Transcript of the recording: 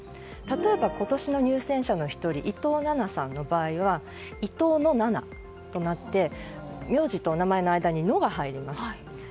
例えば、今年の入選者の１人伊藤奈々さんの場合はいとうのななとなって苗字と名前の間に「の」が入ります。